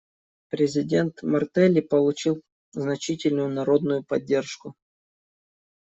Президент Мартелли получил значительную народную поддержку.